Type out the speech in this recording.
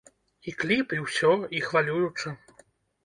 І кліп, і ўсё, і хвалююча.